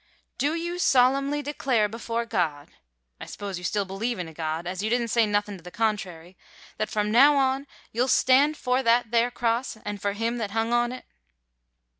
"Do you solemnly declare before God I s'pose you still believe in a God, as you didn't say nothin' to the contrary that from now on you'll stand for that there Cross and for Him that hung on it?"